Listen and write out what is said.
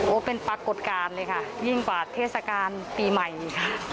เป็นปรากฏการณ์เลยค่ะยิ่งกว่าเทศกาลปีใหม่อีกค่ะ